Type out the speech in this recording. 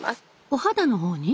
お肌の方に？